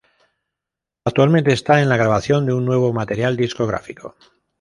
Actualmente están en la grabación de un nuevo material discográfico.